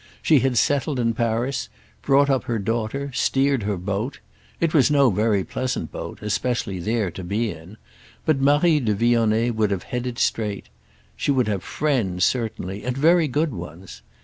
She had settled in Paris, brought up her daughter, steered her boat. It was no very pleasant boat—especially there—to be in; but Marie de Vionnet would have headed straight. She would have friends, certainly—and very good ones.